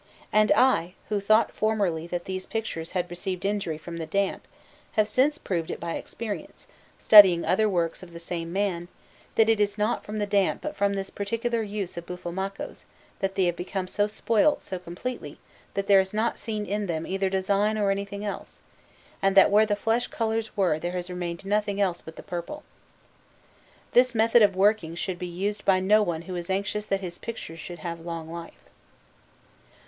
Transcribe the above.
And I, who thought formerly that these pictures had received injury from the damp, have since proved by experience, studying other works of the same man, that it is not from the damp but from this particular use of Buffalmacco's that they have become spoilt so completely that there is not seen in them either design or anything else, and that where the flesh colours were there has remained nothing else but the purple. This method of working should be used by no one who is anxious that his pictures should have long life.